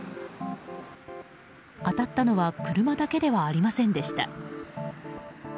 当たったのは車だけではありませんでした。